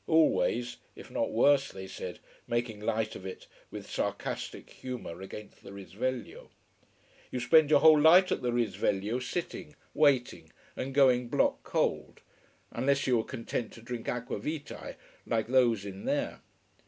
Always if not worse, they said, making light of it, with sarcastic humor against the Risveglio. You spent your whole life at the Risveglio sitting, waiting, and going block cold: unless you were content to drink aqua vitae, like those in there.